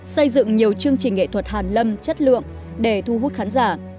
xây dựng nhiều chương trình nghệ thuật hàn lâm chất lượng để thu hút khán giả